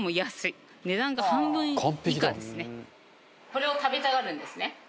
これを食べたがるんですね。